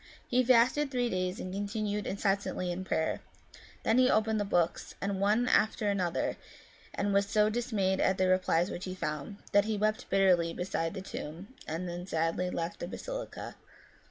He fasted three days and continued incessantly in prayer ; then he opened the books, one after another, and was so dismayed at the replies which he found, that he wept bitterly beside the tomb, and then sadly left the basilica.